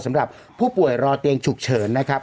สำหรับผู้ป่วยรอเตียงฉุกเฉินนะครับ